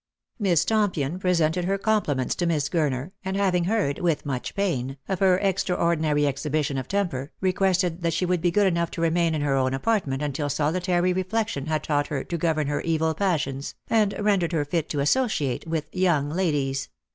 Miss Tompion presented her compliments to Miss Gurner, and having heard, with much pain, of her extraordinary exhi bition of temper, requested that she would be good enough to remain in her own apartment until solitary reflection had taught her to govern her evil passions, and rendered her fit to associate with young ladies.